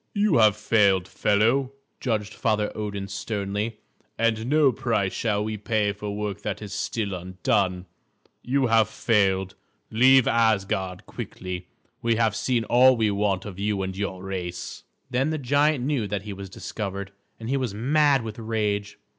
"You have failed, fellow," judged Father Odin sternly, "and no price shall we pay for work that is still undone. You have failed. Leave Asgard quickly; we have seen all we want of you and of your race." Then the giant knew that he was discovered, and he was mad with rage.